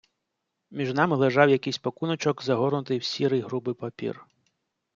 Між нами лежав якийсь пакуночок, загорнутий в сірий грубий папір.